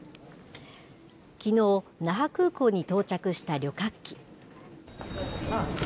きのう、那覇空港に到着した旅客機。